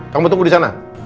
kamu tunggu disana